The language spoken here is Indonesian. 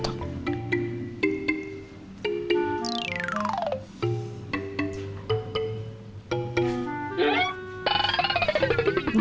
kok gak boleh tau ya